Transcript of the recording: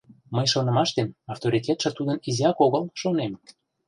Мый шонымаштем, авторитетше тудын изиак огыл, шонем.